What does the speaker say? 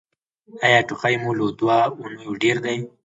ایا ټوخی مو له دوه اونیو ډیر دی؟